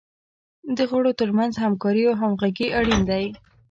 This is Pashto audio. د غړو تر منځ همکاري او همغږي اړین دی.